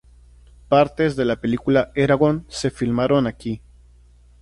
Partes de la película "Eragon" se filmaron aquí.